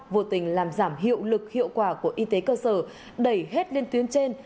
vô tình làm giảm hiệu lực hiệu quả của y tế cơ sở đẩy hết lên tuyến trên